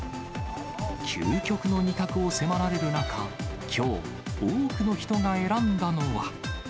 究極の２択を迫られる中、きょう、多くの人が選んだのは。